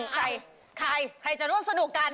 ใครใครจะร่วมสนุกกัน